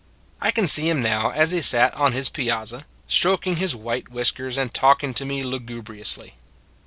I can see him now as he sat on his piazza, stroking his white whiskers and talking to me lugubriously.